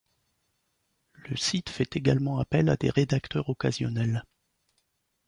Le site fait également appel à des rédacteurs occasionnels.